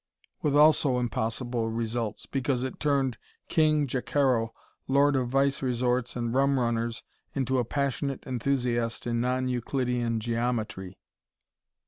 With also impossible results, because it turned "King" Jacaro, lord of vice resorts and rum runners, into a passionate enthusiast in non Euclidean geometry.